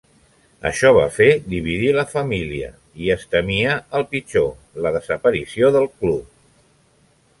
Això va fer dividir la família i es temia el pitjor: la desaparició del Club.